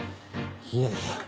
いやいや。